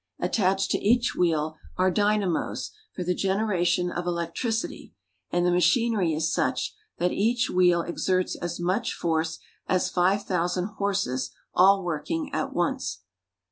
Attached to each wheel are dynamos for the generation of electricity, and the machinery is such that each wheel exerts as much force as five thousand horses all working at once.